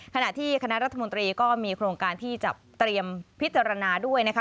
ขณะที่คณะรัฐมนตรีก็มีโครงการที่จะเตรียมพิจารณาด้วยนะคะ